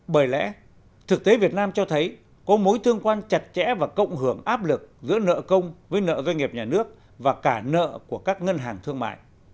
bởi lẽ thực tế việt nam cho thấy có mối tương quan chặt chẽ và cộng hưởng áp lực giữa nợ công với nợ doanh nghiệp nhà nước và cả nợ của các ngân hàng thương mại